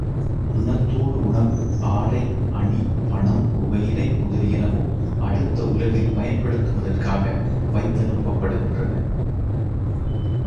பிணத்தோடு உணவு, ஆடை, அணி, பணம், புகையிலை முதலியனவும் அடுத்த உலகில் பயன்படுத்துவதற்காக வைத்தனுப்பப்படுகின்றன.